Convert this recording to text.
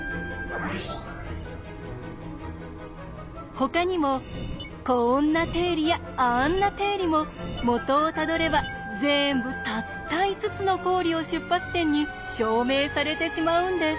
ほかにもこんな定理やあんな定理も元をたどれば全部たった５つの公理を出発点に証明されてしまうんです。